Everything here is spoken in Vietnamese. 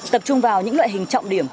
tập trung vào những loại hình trọng điểm